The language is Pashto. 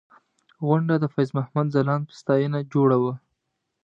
غونډه د فیض محمد ځلاند په ستاینه جوړه وه.